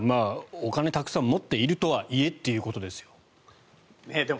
お金たくさん持っているとはいえということですよ。